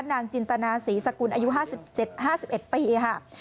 นางจินตนาศรีสกุลอายุห้าสิบเอ็ดปีค่ะ